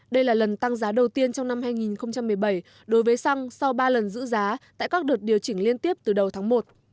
đây là lần tăng giá đầu tiên trong năm hai nghìn một mươi bảy đối với xăng sau ba lần giữ giá tại các đợt điều chỉnh liên tiếp từ đầu tháng một